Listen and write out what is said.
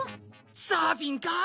サーフィンかあ。